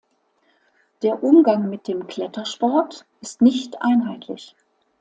Der Umgang mit dem Klettersport ist nicht einheitlich.